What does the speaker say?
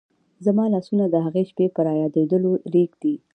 زما لاسونه د هغې شپې په رایادېدلو رېږدي.